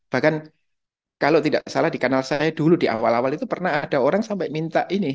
bahkan kalau tidak salah di kanal saya dulu di awal awal itu pernah ada orang sampai minta ini